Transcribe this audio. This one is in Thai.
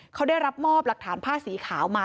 เขาได้รับมอบหลักฐานผ้าสีขาวมา